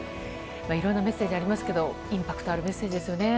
いろんなメッセージがありますがインパクトがあるメッセージですね。